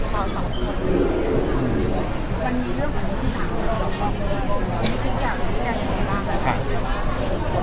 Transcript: ต้องไม่แน่ย